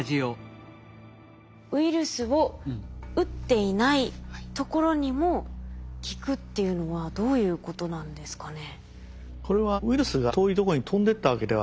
ウイルスを打っていないところにも効くっていうのはどういうことなんですかね？